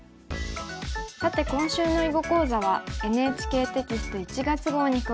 さて今週の囲碁講座はＮＨＫテキスト１月号に詳しく載っています。